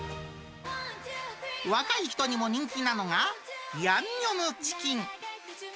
若い人にも人気なのが、ヤンニョムチキン。